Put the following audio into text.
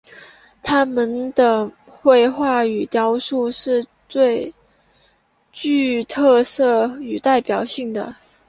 他们的绘画与雕塑是最具特色与代表性的。